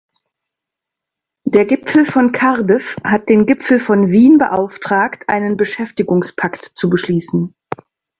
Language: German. Der Gipfel von Cardiff hat den Gipfel von Wien beauftragt, einen Beschäftigungspakt zu beschließen.